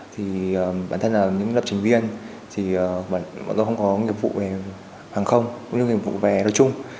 thì bản thân là những lập trình viên thì bản thân không có nghiệp vụ về hàng không cũng như nghiệp vụ về đối chung